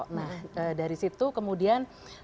nah dari situ kemudian